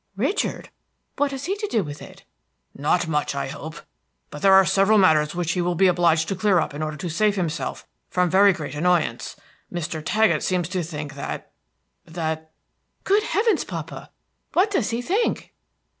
"Richard? What has he to do with it?" "Not much, I hope; but there are several matters which he will be obliged to clear up in order to save himself from very great annoyance. Mr. Taggett seems to think that that" "Good heavens, papa! What does he think?"